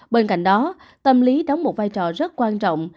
bên cạnh đó tâm lý đóng một vai trò rất quan trọng